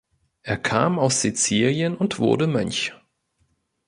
Er kam aus Sizilien und wurde Mönch.